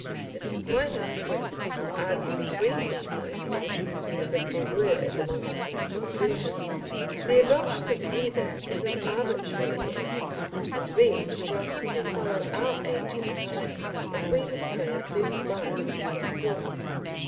It is quite unfruitful to argue between these ideals as if there were a demonstrable conclusion, the adoption of either is an arbitrary act, and we shall simply follow our age and time if we display a certain bias for the former.